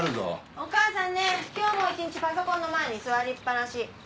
お母さんね今日も一日パソコンの前に座りっぱなし。